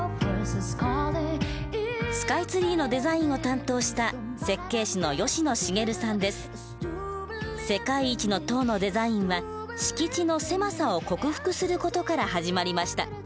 スカイツリーのデザインを担当した設計士の世界一の塔のデザインは敷地の狭さを克服する事から始まりました。